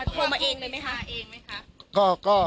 ครูปรีชาโทรมาเองไหมครับ